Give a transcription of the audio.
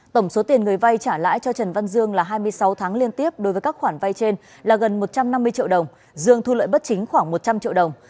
tổng số tiền người vay trả lãi cho trần văn dương là hai mươi sáu tháng liên tiếp đối với các khoản vay trên là gần một trăm năm mươi triệu đồng dương thu lợi bất chính khoảng một trăm linh triệu đồng